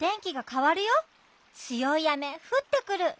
つよい雨ふってくる。